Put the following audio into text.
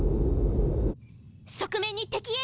側面に敵影！